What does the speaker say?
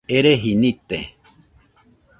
Ereji nite